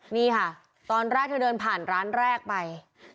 นี่ค่ะตอนแรกเธอเดินผ่านร้านแรกไป